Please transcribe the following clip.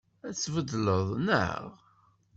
Ad tt-tbeddleḍ, naɣ?